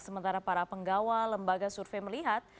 sementara para penggawa lembaga survei melihat